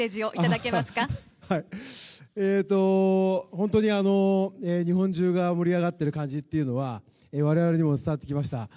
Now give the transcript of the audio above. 本当に日本中が盛り上がっている感じというのは我々にも伝わってきました。